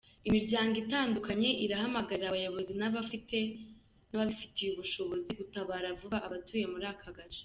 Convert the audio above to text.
Imiryango itandukanye irahamagarira abayobozi n’ababifitiye ubushobozi gutabara vuba abatuye muri aka gace.